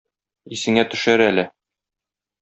Исеңә төшәр әле...